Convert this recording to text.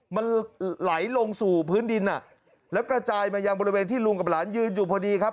มันไหลลงสู่พื้นดินอ่ะแล้วกระจายมายังบริเวณที่ลุงกับหลานยืนอยู่พอดีครับ